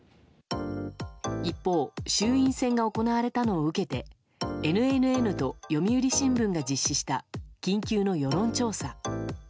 一方、衆院選が行われたのを受けてＮＮＮと読売新聞が実施した緊急の世論調査。